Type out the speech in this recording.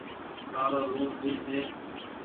ڪآڙو لوڻ ڀي ڇي۔